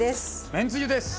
めんつゆです！